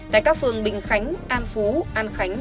tại các phường bình khánh an phú an khánh